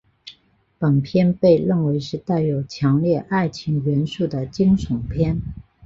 本片被认为是带有强烈爱情元素的惊悚片。